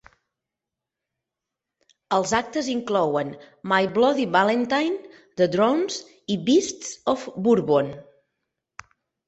Els actes inclouen My Bloody Valentine, The Drones i Beasts of Bourbon.